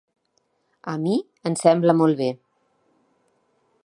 A mi em sembla molt bé.